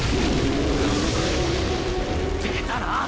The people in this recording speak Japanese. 出たな！